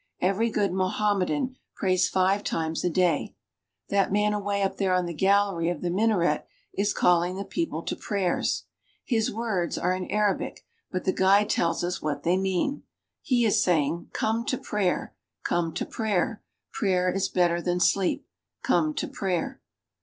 Every good Mohammedan prays five times a day. That man away "... praying In the Mohammedan way." Up there on the gallery of the minaret is calling the people to prayers. His words are in Arabic, bnt the guide tells us what they mean. He is saying: "Come to prayer! Come to prayer! Prayer is better than sleep. Come to prayer